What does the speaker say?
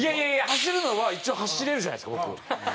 走るのは一応走れるじゃないですか僕。